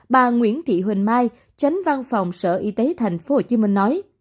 bà nguyễn thị huỳnh mai tránh văn phòng sở y tế tp hcm nói